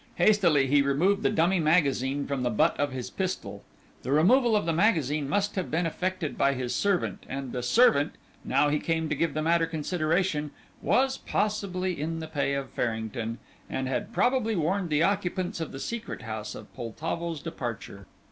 Hastily he removed the dummy magazine from the butt of his pistol. The removal of the magazine must have been effected by his servant, and the servant, now he came to give the matter consideration, was possibly in the pay of Farrington, and had probably warned the occupants of the Secret House of Poltavo's departure.